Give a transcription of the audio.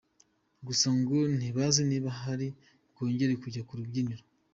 Gusa ngo ntibazi niba ari bwongere kujya kurubyiniro.